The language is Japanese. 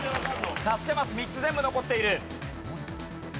助けマス３つ全部残っている。